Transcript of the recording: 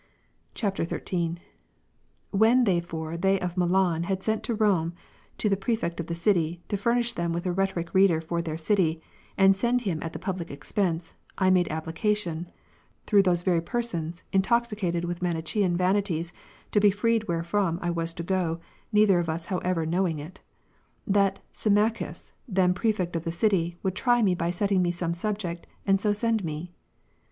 [XIII.] 23. When therefore they of Milan had sent to Rome to the prefect of the city, to furnish them with a rhetoric reader for their city, and send him at the public expense, I made application (through those very persons, intoxicated with Manichsean vanities, to be freed wherefrom I was to go, neither of us however knowing it) that Symmachus, then prefect of the city, would try me by setting me some subject, and so send me.